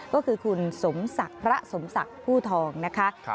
ก็คือคุณสมศักดิ์พระสมศักดิ์ผู้ทองนะคะ